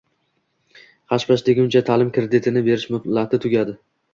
Hash-pash deguncha, ta’lim kreditini berish muhlati tugadi.